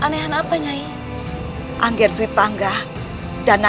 aku percaya padamu